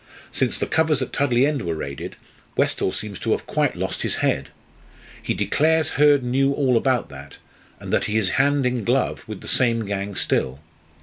Since the covers at Tudley End were raided, Westall seems to have quite lost his head. He declares Hurd knew all about that, and that he is hand and glove with the same gang still.